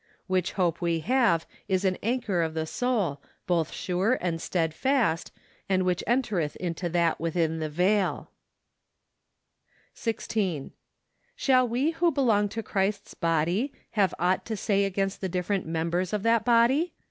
" Which hope we have as an anchor of the soul , both sure and steadfast , and which entereth into that within the veil." SEPTEMBER. 103 16. Shall we who belong to Christ's body have aught to say against the different members of that body